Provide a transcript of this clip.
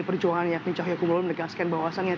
perjuangan yakni cahaya kumulo menegaskan bahwasannya